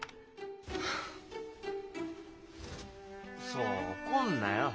そう怒んなよ。